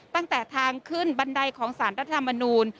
ตั้งแต่ทางขึ้นบันไดของสารรัฐธรรมนูล